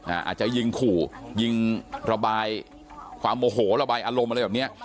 อาจจะยิงขู่ยิงระบายความโมโหระบายอารมณ์อะไรแบบเนี้ย